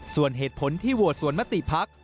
ส่วนเหตุผลที่โหวตสวนมติภักดิ์